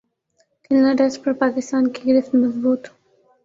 کھلنا test پر پاکستان کی گرفت مضبوط